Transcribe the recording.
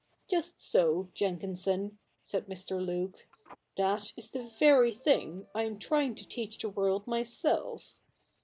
' Just so, Jenkinson,' said Mr. Luke : 'that is the very thing I am trying to teach the world myself.